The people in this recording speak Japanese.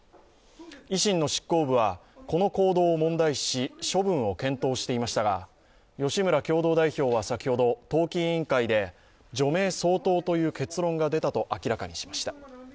維新の執行部はこの行動を問題視し処分を検討していましたが吉村共同代表は先ほど、党紀委員会で除名相当という結論が出たと明らかにしました。